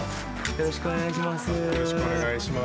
よろしくお願いします。